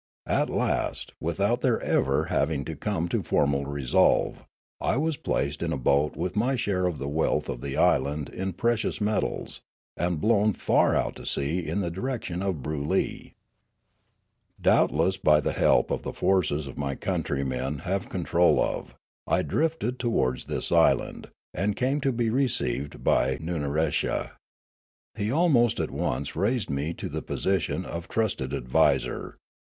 At last, without their ever having come to formal resolve, I was placed in a boat with my share of the wealth of the island in pre cious metals, and blown far out to sea in the direction of Broolyi. '' Doubtless by the help of the forces my countrymen have control of, I drifted towards this island, and came to be received by Nunaresha. He almost at once raised me to the position of trusted adviser.